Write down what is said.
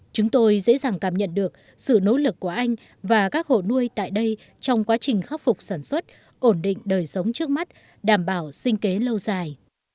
chúng tôi dễ dàng cảm nhận được sự nỗ lực của anh và các hộ nuôi tại đây trong quá trình khắc phục sản xuất ổn định đời sống trước mắt đảm bảo sinh kế lâu dài